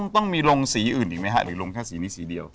ต้องมีลงสีอื่นอีกไหมฮะหรือลงแค่สีนี้สีเดียว